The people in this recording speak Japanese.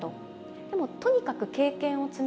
でもとにかく経験を積みたい。